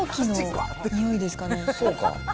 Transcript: そうか。